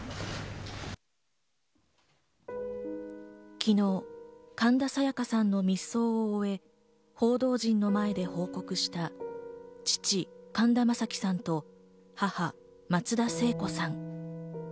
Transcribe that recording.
昨日、神田沙也加さんの密葬を終え報道陣の前で報告した父・神田正輝さんと母・松田聖子さん。